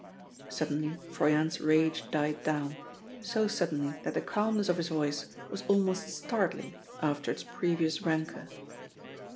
Suddenly Froyant's rage died down, so suddenly that the calmness of his voice was almost startling after its previous rancour.